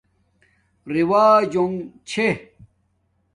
رِواج وجنگ چھے